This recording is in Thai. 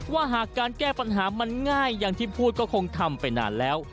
ว่าหากการแก้ปัญหามันง่ายอย่างที่พูดก็คงทำไปนานแล้ว